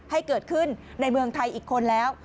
ให้เกิดขึ้นในเมืองไทยอีกคนแล้ว